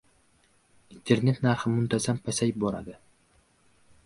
Internet narxi muntazam pasayib boradi